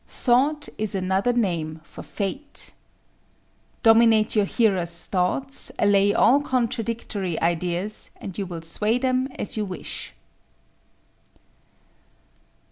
"Thought is another name for fate." Dominate your hearers' thoughts, allay all contradictory ideas, and you will sway them as you wish.